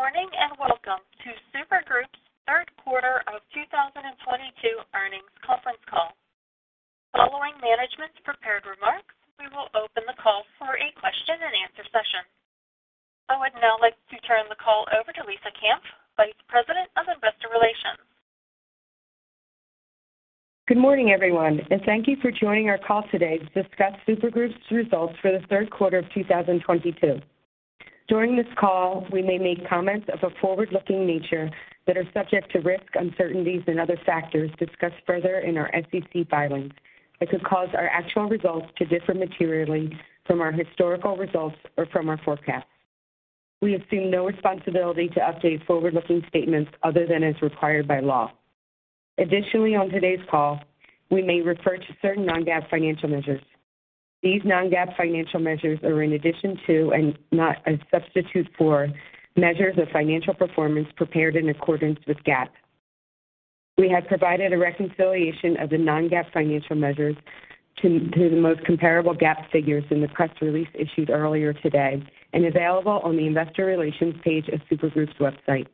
Good morning. Welcome to Super Group's third quarter of 2022 earnings conference call. Following management's prepared remarks, we will open the call for a question and answer session. I would now like to turn the call over to Lisa Kampf, Vice President of Investor Relations. Good morning, everyone, and thank you for joining our call today to discuss Super Group's results for the third quarter of 2022. During this call, we may make comments of a forward-looking nature that are subject to risks, uncertainties, and other factors discussed further in our SEC filings that could cause our actual results to differ materially from our historical results or from our forecasts. We assume no responsibility to update forward-looking statements other than as required by law. Additionally, on today's call, we may refer to certain non-GAAP financial measures. These non-GAAP financial measures are in addition to, and not a substitute for, measures of financial performance prepared in accordance with GAAP. We have provided a reconciliation of the non-GAAP financial measures to the most comparable GAAP figures in the press release issued earlier today and available on the investor relations page of Super Group's website.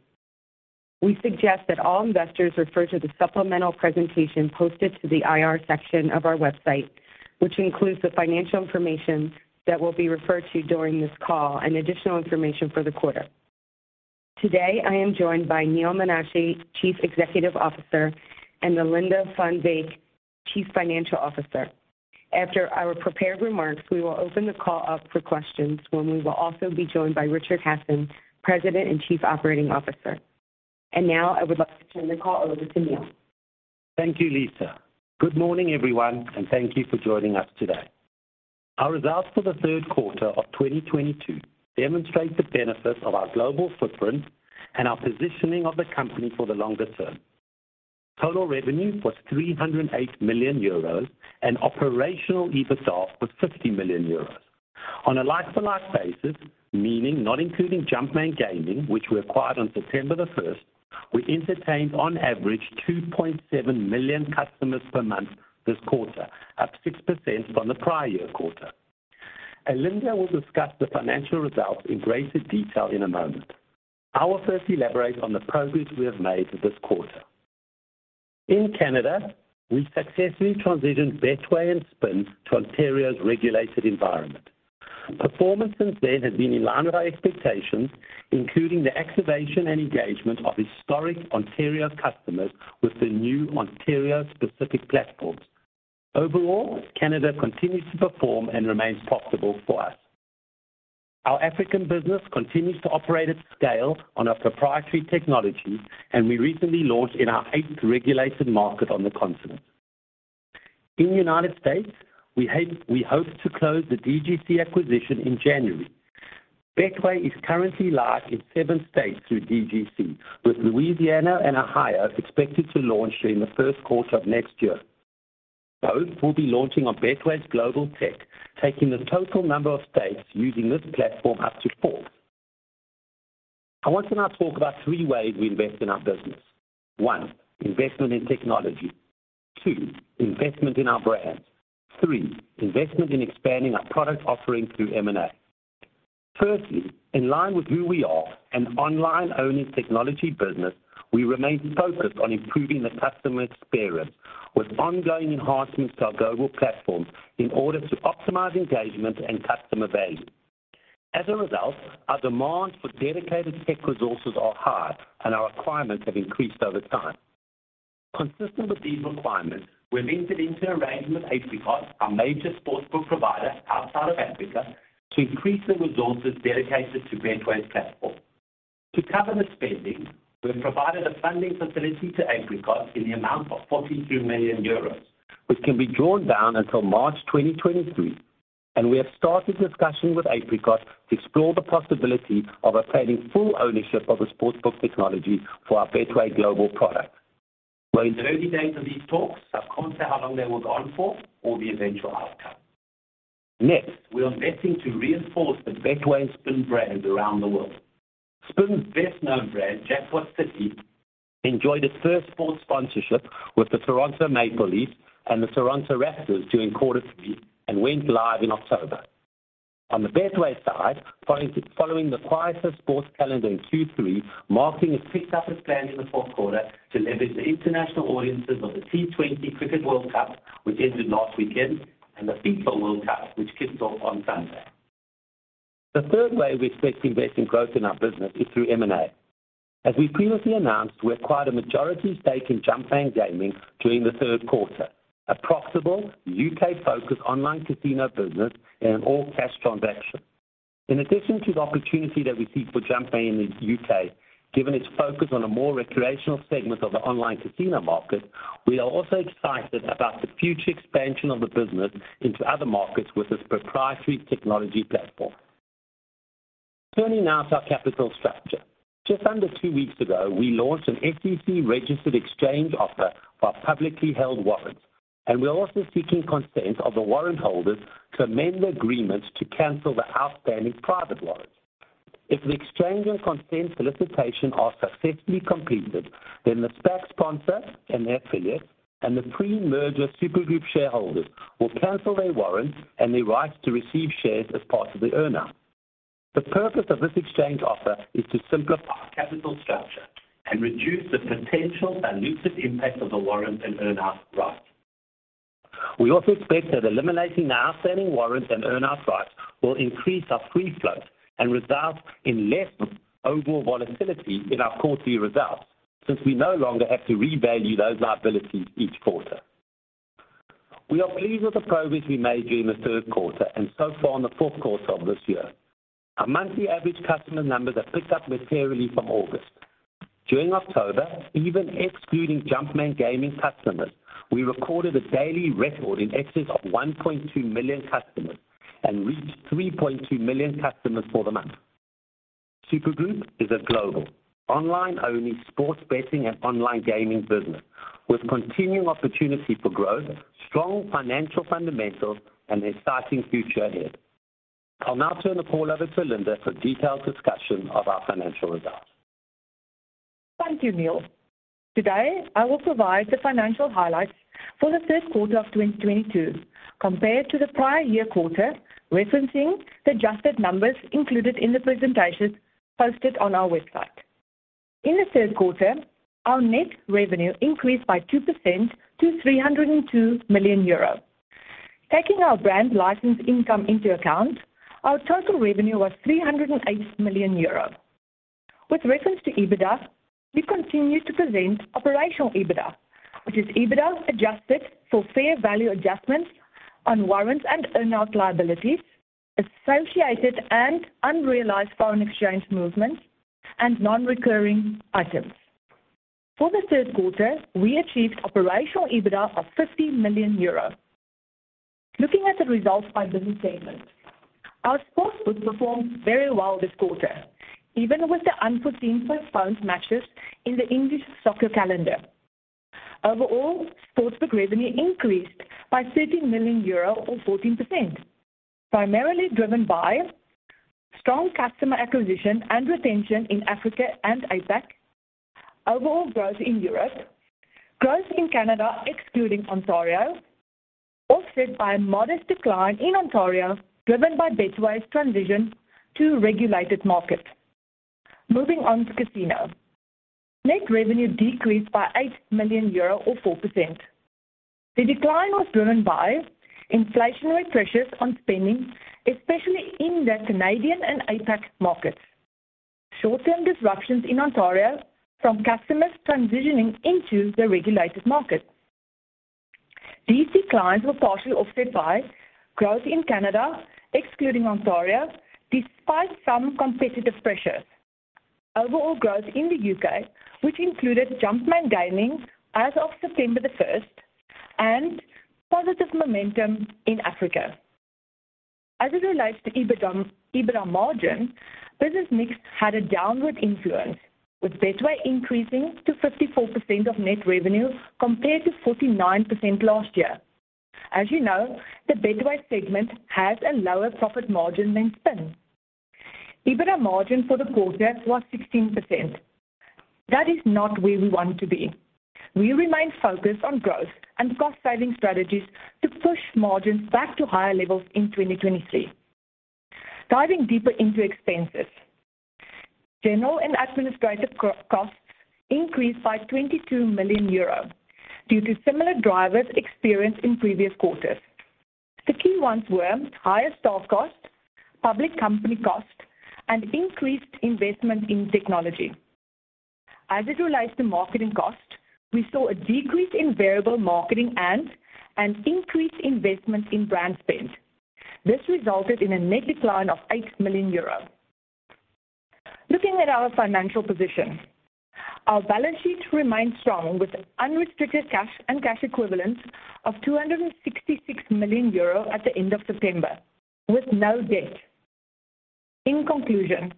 We suggest that all investors refer to the supplemental presentation posted to the IR section of our website, which includes the financial information that will be referred to during this call and additional information for the quarter. Today, I am joined by Neal Menashe, Chief Executive Officer, and Alinda van Wyk, Chief Financial Officer. After our prepared remarks, we will open the call up for questions when we will also be joined by Richard Hasson, President and Chief Operating Officer. Now I would like to turn the call over to Neal. Thank you, Lisa. Good morning, everyone, and thank you for joining us today. Our results for the third quarter of 2022 demonstrate the benefits of our global footprint and our positioning of the company for the longer term. Total revenue was 308 million euros, and Operational EBITDA was 50 million euros. On a like-for-like basis, meaning not including Jumpman Gaming, which we acquired on September 1, we entertained on average 2.7 million customers per month this quarter, up 6% from the prior-year-quarter. Alinda will discuss the financial results in greater detail in a moment. I will first elaborate on the progress we have made this quarter. In Canada, we successfully transitioned Betway and Spin to Ontario's regulated environment. Performance since then has been in line with our expectations, including the activation and engagement of historic Ontario customers with the new Ontario-specific platforms. Canada continues to perform and remains profitable for us. Our African business continues to operate at scale on our proprietary technology, we recently launched in our eighth regulated market on the continent. In the United States, we hope to close the DGC acquisition in January. Betway is currently live in seven states through DGC, with Louisiana and Ohio expected to launch during the first quarter of next year. Both will be launching on Betway's global tech, taking the total number of states using this platform up to four. I want to now talk about three ways we invest in our business. One, investment in technology. Two, investment in our brands. Three, investment in expanding our product offering through M&A. Firstly, in line with who we are, an online-only technology business, we remain focused on improving the customer experience with ongoing enhancements to our global platforms in order to optimize engagement and customer value. As a result, our demand for dedicated tech resources are high, and our requirements have increased over time. Consistent with these requirements, we have entered into an arrangement with Apricot, our major sportsbook provider outside of Africa, to increase the resources dedicated to Betway's platform. To cover the spending, we have provided a funding facility to Apricot in the amount of 43 million euros, which can be drawn down until March 2023, and we have started discussions with Apricot to explore the possibility of obtaining full ownership of the sportsbook technology for our Betway global product. We're in early days of these talks, so I can't say how long they will go on for or the eventual outcome. We are investing to reinforce the Betway and Spin brands around the world. Spin's best-known brand, JackpotCity, enjoyed its first sports sponsorship with the Toronto Maple Leafs and the Toronto Raptors during quarter three and went live in October. On the Betway side, following the quieter sports calendar in Q3, marketing has kicked up its plans in the fourth quarter to leverage the international audiences of the T20 Cricket World Cup, which ended last weekend, and the FIFA World Cup, which kicks off on Sunday. The third way we expect to invest in growth in our business is through M&A. As we previously announced, we acquired a majority stake in Jumpman Gaming during the third quarter, a profitable U.K.-focused online casino business, in an all-cash transaction. In addition to the opportunity that we see for Jumpman in the U.K., given its focus on a more recreational segment of the online casino market, we are also excited about the future expansion of the business into other markets with its proprietary technology platform. Turning now to our capital structure. Just under two weeks ago, we launched an SEC-registered exchange offer for our publicly held warrants, and we are also seeking consent of the warrant holders to amend the agreements to cancel the outstanding private warrants. If the exchange and consent solicitation are successfully completed, then the SPAC sponsor and the affiliates and the pre-merger Super Group shareholders will cancel their warrants and their rights to receive shares as part of the earn-out. The purpose of this exchange offer is to simplify our capital structure and reduce the potential dilutive impact of the warrants and earn-out rights. We also expect that eliminating the outstanding warrants and earn-out rights will increase our free float and result in less overall volatility in our quarterly results, since we no longer have to revalue those liabilities each quarter. We are pleased with the progress we made during the third quarter and so far in the fourth quarter of this year. Our monthly average customer numbers have picked up materially from August. During October, even excluding Jumpman Gaming customers, we recorded a daily record in excess of 1.2 million customers and reached 3.2 million customers for the month. Super Group is a global, online-only sports betting and online gaming business with continuing opportunity for growth, strong financial fundamentals and an exciting future ahead. I'll now turn the call over to Linda for a detailed discussion of our financial results. Thank you, Neal. Today, I will provide the financial highlights for the third quarter of 2022 compared to the prior year quarter, referencing the adjusted numbers included in the presentation posted on our website. In the third quarter, our net revenue increased by 2% to 302 million euro. Taking our brand license income into account, our total revenue was 308 million euro. With reference to EBITDA, we continue to present operational EBITDA, which is EBITDA adjusted for fair value adjustments on warrants and earn-out liabilities, associated and unrealized foreign exchange movements, and non-recurring items. For the third quarter, we achieved operational EBITDA of 50 million euros. Looking at the results by business segment. Our Sportsbook performed very well this quarter, even with the unforeseen postponed matches in the English soccer calendar. Overall, Sportsbook revenue increased by 13 million euro or 14%, primarily driven by strong customer acquisition and retention in Africa and APAC, overall growth in Europe, growth in Canada excluding Ontario, offset by a modest decline in Ontario, driven by Betway's transition to a regulated market. Moving on to Casino. Net revenue decreased by 8 million euro or 4%. The decline was driven by inflationary pressures on spending, especially in the Canadian and APAC markets. Short-term disruptions in Ontario from customers transitioning into the regulated market. These declines were partially offset by growth in Canada, excluding Ontario, despite some competitive pressures. Overall growth in the U.K., which included Jumpman Gaming as of September the first, and positive momentum in Africa. As it relates to EBITDA margin, business mix had a downward influence, with Betway increasing to 54% of net revenue compared to 49% last year. As you know, the Betway segment has a lower profit margin than Spin. EBITDA margin for the quarter was 16%. That is not where we want to be. We remain focused on growth and cost-saving strategies to push margins back to higher levels in 2023. Diving deeper into expenses. General and administrative costs increased by 22 million euro due to similar drivers experienced in previous quarters. The key ones were higher staff costs, public company costs, and increased investment in technology. As it relates to marketing costs, we saw a decrease in variable marketing ads and increased investment in brand spend. This resulted in a net decline of 8 million euros. Looking at our financial position. Our balance sheet remains strong with unrestricted cash and cash equivalents of 266 million euro at the end of September, with no debt. In conclusion,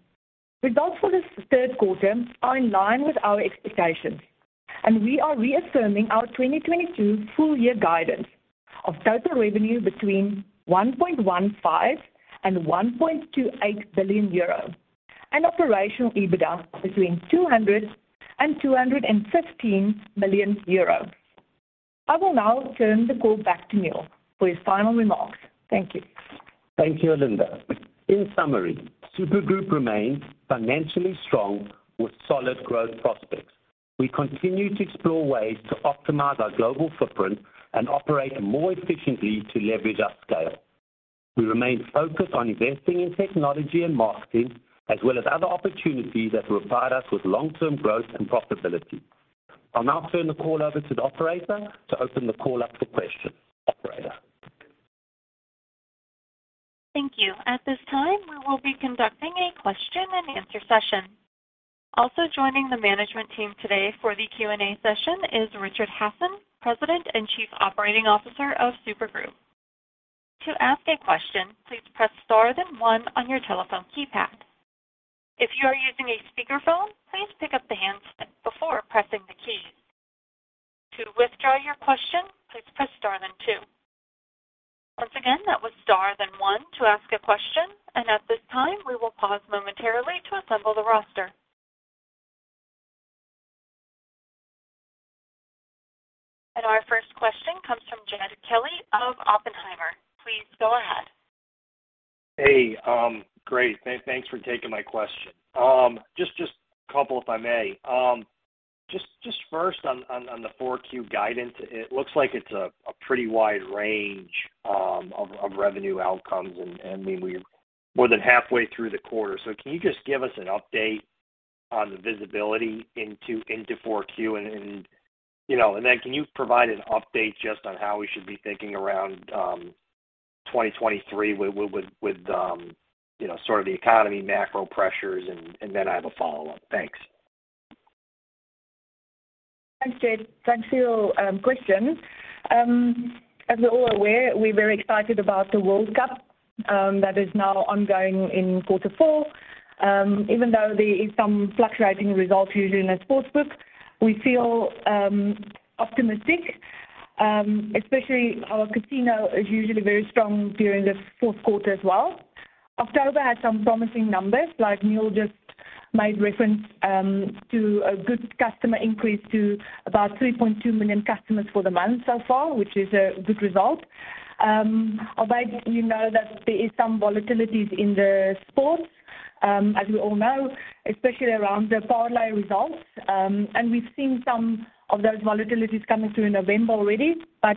results for this third quarter are in line with our expectations, and we are reaffirming our 2022 full year guidance of total revenue between 1.15 billion and 1.28 billion euro and Operational EBITDA between 200 million euro and 215 million euro. I will now turn the call back to Neal for his final remarks. Thank you. Thank you, Linda. In summary, Super Group remains financially strong with solid growth prospects. We continue to explore ways to optimize our global footprint and operate more efficiently to leverage our scale. We remain focused on investing in technology and marketing, as well as other opportunities that will provide us with long-term growth and profitability. I'll now turn the call over to the operator to open the call up to questions. Operator? Thank you. At this time, we will be conducting a question and answer session. Also joining the management team today for the Q&A session is Richard Hasson, President and Chief Operating Officer of Super Group. To ask a question, please press star then one on your telephone keypad. If you are using a speakerphone, please pick up the handset before pressing the keys. To withdraw your question, please press star then two. Once again, that was star then one to ask a question. At this time, we will pause momentarily to assemble the roster. Our first question comes from Jed Kelly of Oppenheimer. Please go ahead. Hey, great, thanks for taking my question. Just a couple, if I may. Just first on the Q4 guidance, it looks like it's a pretty wide range of revenue outcomes and we're more than halfway through the quarter. Can you just give us an update on the visibility into Q4 and, you know. Then can you provide an update just on how we should be thinking around 2023 with, you know, sort of the economy, macro pressures and then I have a follow-up. Thanks. Thanks, Jed. Thanks for your question. As we're all aware, we're very excited about the FIFA World Cup that is now ongoing in Q4. Even though there is some fluctuating results usually in the sports book, we feel optimistic, especially our casino is usually very strong during the fourth quarter as well. October had some promising numbers, like Neal just made reference to a good customer increase to about 3.2 million customers for the month so far, which is a good result. Although you know that there is some volatilities in the sports, as we all know, especially around the parlay results. We've seen some of those volatilities coming through in November already.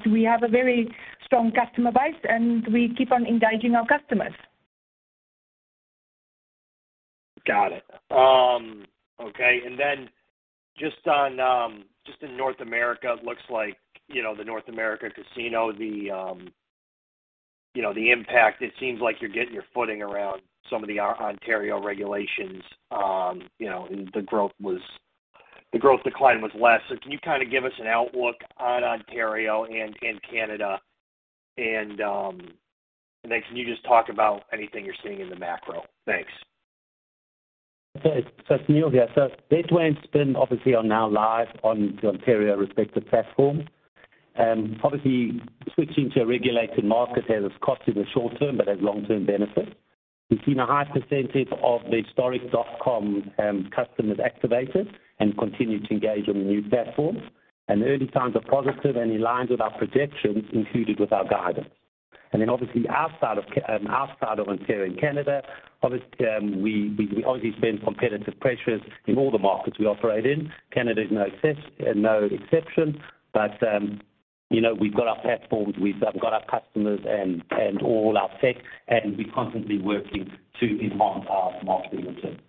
We have a very strong customer base, and we keep on engaging our customers. Got it. Okay. Then just on, just in North America, looks like, you know, the North America casino, the, you know, the impact, it seems like you're getting your footing around some of the Ontario regulations, you know, and the growth decline was less. Can you kinda give us an outlook on Ontario and Canada? Then can you just talk about anything you're seeing in the macro? Thanks. It's Neal here. Betway and Spin obviously are now live on the Ontario respective platform. Obviously switching to a regulated market has its cost in the short term, but has long-term benefits. We've seen a high percentage of the historic dotcom customers activated and continue to engage on the new platforms. The early signs are positive and in line with our projections included with our guidance. Obviously our side of Ontario and Canada, obviously, we obviously spend competitive pressures in all the markets we operate in. Canada is no exception. You know, we've got our platforms, we've got our customers and all our tech, we're constantly working to enhance our marketing return.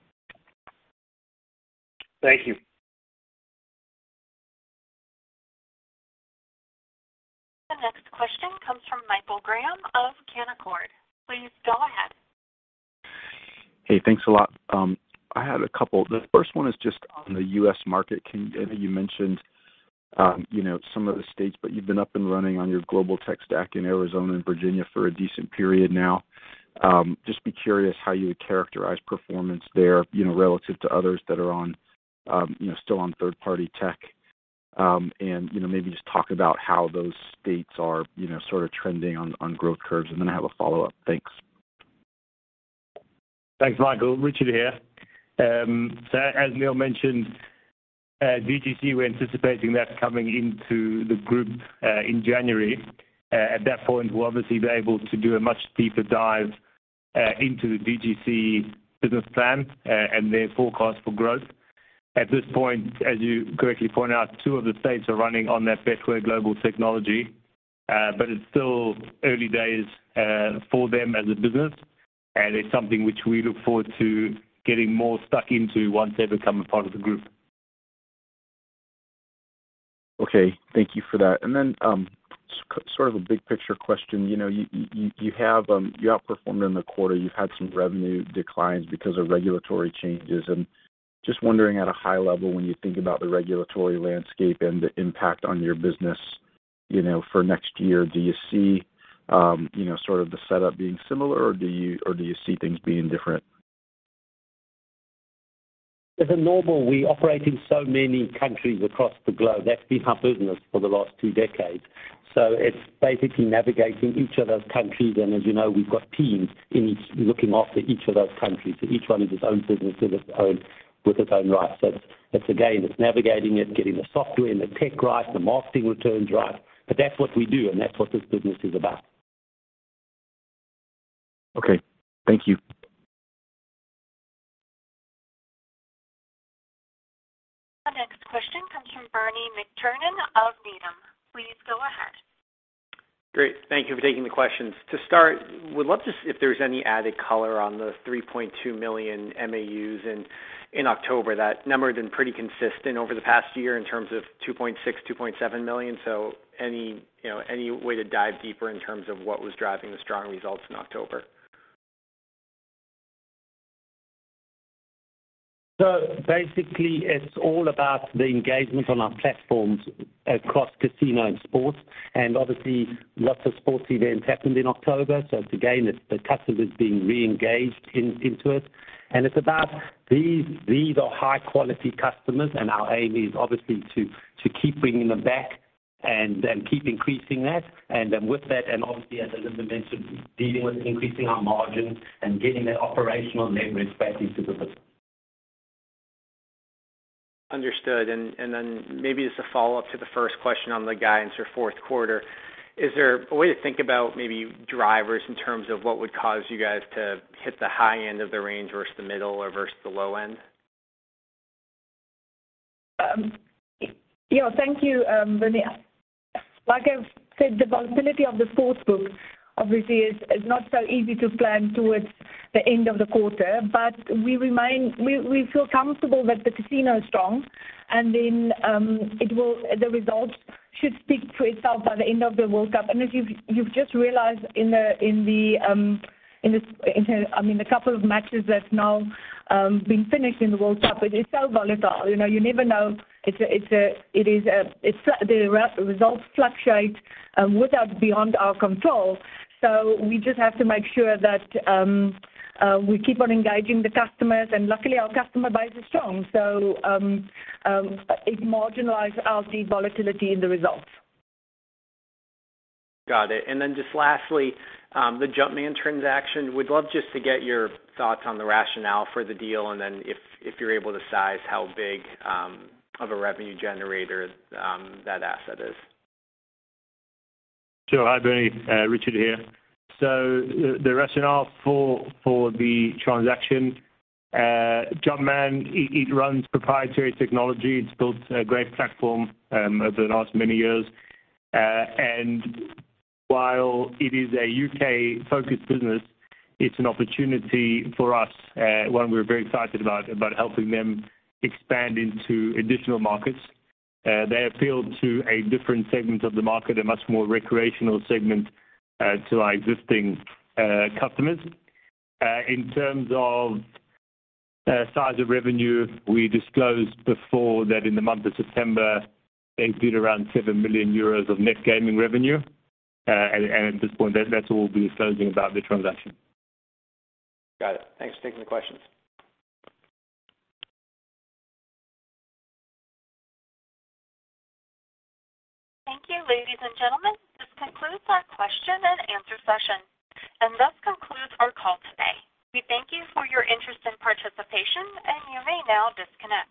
Thank you. The next question comes from Michael Graham of Canaccord. Please go ahead. Hey, thanks a lot. I had a couple. The first one is just on the U.S. market. I know you mentioned, you know, some of the states, but you've been up and running on your global tech stack in Arizona and Virginia for a decent period now. Just be curious how you would characterize performance there, you know, relative to others that are on, you know, still on third-party tech. You know, maybe just talk about how those states are, you know, sort of trending on growth curves. I have a follow-up. Thanks. Thanks, Michael. Richard here. As Neal mentioned, DGC, we're anticipating that coming into the group in January. At that point, we'll obviously be able to do a much deeper dive into the DGC business plan and their forecast for growth. At this point, as you correctly point out, two of the states are running on their Betway global technology, but it's still early days for them as a business, and it's something which we look forward to getting more stuck into once they become a part of the group. Okay. Thank you for that. Sort of a big picture question. You know, you have, you outperformed in the quarter, you've had some revenue declines because of regulatory changes. Just wondering at a high level, when you think about the regulatory landscape and the impact on your business, you know, for next year, do you see, you know, sort of the setup being similar or do you see things being different? As a normal, we operate in so many countries across the globe. That's been our business for the last two decades. It's basically navigating each of those countries, and as you know, we've got teams in each, looking after each of those countries. Each one is its own business in its own, with its own right. It's again, it's navigating it, getting the software and the tech right, the marketing returns right. That's what we do and that's what this business is about. Okay. Thank you. Our next question comes from Bernie McTernan of Needham. Please go ahead. Great. Thank you for taking the questions. To start, would love to see if there's any added color on the 3.2 million MAUs in October. That number has been pretty consistent over the past year in terms of 2.6 million, 2.7 million. Any, you know, any way to dive deeper in terms of what was driving the strong results in October? Basically it's all about the engagement on our platforms across casino and sports. Obviously lots of sports events happened in October. It's again, it's the customers being re-engaged into it. It's about these are high quality customers and our aim is obviously to keep bringing them back and then keep increasing that. Then with that, and obviously as Alinda mentioned, dealing with increasing our margins and getting that operational leverage back into the business. Understood. Maybe as a follow-up to the first question on the guidance for fourth quarter, is there a way to think about maybe drivers in terms of what would cause you guys to hit the high end of the range versus the middle or versus the low end? Yeah. Thank you, Bernie. Like I've said, the volatility of the sportsbook obviously is not so easy to plan towards the end of the quarter, but we feel comfortable that the casino is strong, and then the results should speak for itself by the end of the World Cup. If you've just realized in the I mean, the couple of matches that's now been finished in the World Cup, it is so volatile. You know, you never know. The results fluctuate without beyond our control. We just have to make sure that we keep on engaging the customers, and luckily our customer base is strong. It marginalize out the volatility in the results. Got it. Just lastly, the Jumpman transaction. Would love just to get your thoughts on the rationale for the deal and then if you're able to size how big of a revenue generator that asset is. Sure. Hi, Bernie. Richard here. The rationale for the transaction, Jumpman, it runs proprietary technology. It's built a great platform over the last many years. While it is a U.K.-focused business, it's an opportunity for us, one we're very excited about helping them expand into additional markets. They appeal to a different segment of the market, a much more recreational segment to our existing customers. In terms of size of revenue, we disclosed before that in the month of September, they did around 7 million euros of Net-Gaming Revenue. At this point, that's all we're disclosing about the transaction. Got it. Thanks for taking the questions. Thank you, ladies and gentlemen. This concludes our question and answer session and thus concludes our call today. We thank you for your interest and participation, and you may now disconnect.